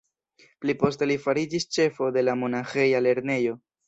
Pli poste li fariĝis ĉefo de la monaĥeja lernejo.